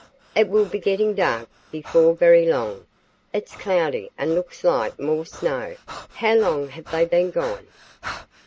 It will be getting dark before very long. It's cloudy and looks like more snow. How long have they been gone?"